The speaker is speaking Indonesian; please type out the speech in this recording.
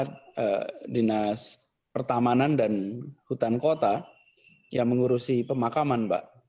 di dinas pertamanan dan hutan kota yang mengurusi pemakaman